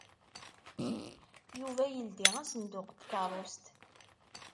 Yuba yeldi asenduq n tkeṛṛust.